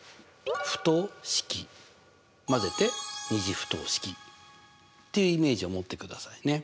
交ぜて２次不等式っていうイメージを持ってくださいね。